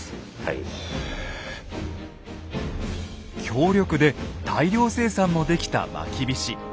強力で大量生産もできたまきびし。